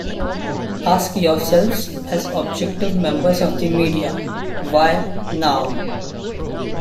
Ask yourselves, as objective members of the media: 'Why now...?